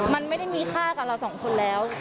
มันไม่ได้มีค่ากับเราสองคนแล้ว